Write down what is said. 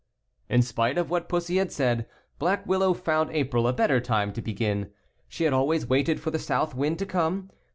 In spite of what Pussy had said. Black Willow found April a better time to begin. She had always waited for the south wind to come.